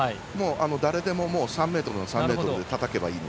誰でも、３ｍなどでたたけばいいので。